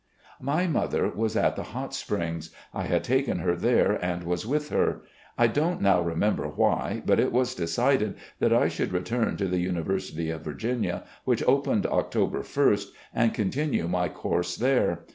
My mother was at the Hot Springs — I had taken her there and was with her. I don't now remember why, but it was decided that I should return to the University of Virginia, which opened October ist, and continue my course there.